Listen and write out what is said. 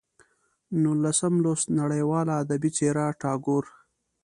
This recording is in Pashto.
نولسم لوست: نړیواله ادبي څېره ټاګور